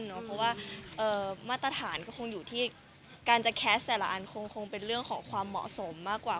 เพราะว่ามาตรฐานก็คงอยู่ที่การจะแคสต์แต่ละอันคงเป็นเรื่องของความเหมาะสมมากกว่า